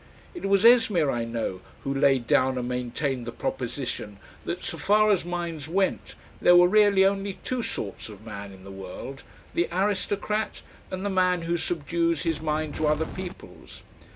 It was Esmeer, I know, who laid down and maintained the proposition that so far as minds went there were really only two sorts of man in the world, the aristocrat and the man who subdues his mind to other people's.